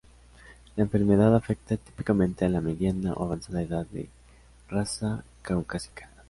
La enfermedad afecta típicamente a la mediana o avanzada edad de raza caucásica.